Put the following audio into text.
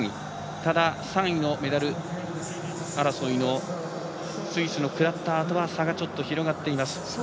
ただ、３位のメダル争いのスイスのクラッターとは差がちょっと広がっています。